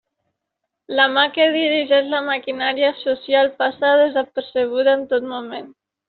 La mà que dirigeix la maquinària social passa desapercebuda en tot moment.